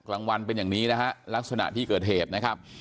กลางวันเป็นอย่างนี้นะฮะลักษณะที่เกิดเหตุนะครับ